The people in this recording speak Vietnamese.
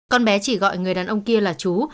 con bé chỉ gọi người đàn ông kia là chú